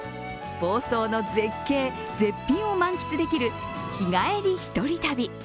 房総の絶景・絶品を満喫できる日帰り１人旅。